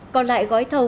còn lại gói thầu